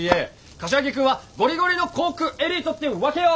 柏木君はゴリゴリの航空エリートってわけよ！